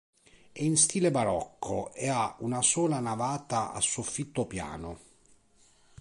È in stile barocco e ha una sola navata a soffitto piano.